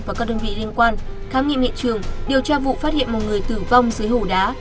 và các đơn vị liên quan khám nghiệm hiện trường điều tra vụ phát hiện một người tử vong dưới hổ đá